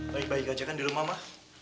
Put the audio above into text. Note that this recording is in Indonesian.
baik baik aja kan di rumah mah